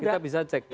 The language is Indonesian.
kita bisa cek